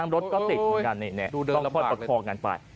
รถก็ติดเหมือนกันต้องปลอดภัยกันปลาด